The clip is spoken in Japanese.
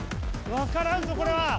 分からんぞこれは。